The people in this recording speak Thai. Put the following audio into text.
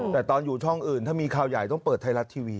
แต่ตอนอยู่ช่องอื่นถ้ามีข่าวใหญ่ต้องเปิดไทยรัฐทีวี